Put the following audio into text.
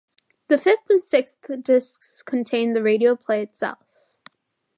The fifth and sixth discs contain the radio play itself.